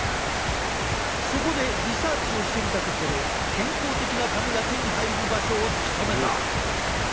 そこでリサーチをしてみたところ健康的な髪が手に入る場所を突き止めた！